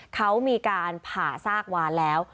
เขามีการผ่าซากวานแล้ว